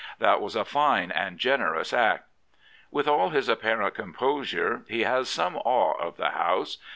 That was a fine and generous act," With all his apparent composure he has some awe of the House.